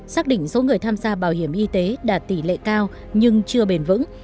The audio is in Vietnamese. xác định số người tham gia bảo hiểm y tế đạt tỷ lệ cao nhưng chưa bền vững